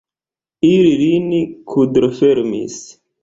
Ili lin kudrofermis.